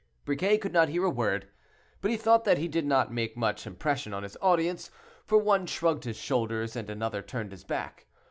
Briquet could not hear a word, but he thought that he did not make much impression on his audience, for one shrugged his shoulders, and another turned his back.